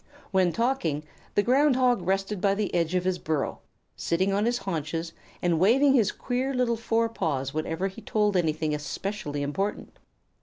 When talking, the Ground Hog rested by the edge of his burrow, sitting on his haunches, and waving his queer little forepaws whenever he told anything especially important.